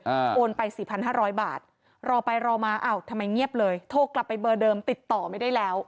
โอนไปสี่พันห้าร้อยบาทรอไปรอมาอ้าวทำไมเงียบเลยโทรกลับไปเบอร์เดิมติดต่อไม่ได้แล้ว